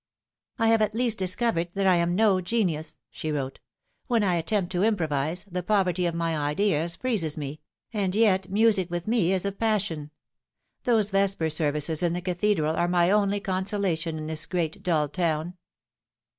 " I have at least discovered that I am no genius," she wrote. " When I attempt to improvise, the poverty of my ideas freezes me ; and yet music with me is a passion. Those vesper services in the Cathedral are my only consolation in this great duU town.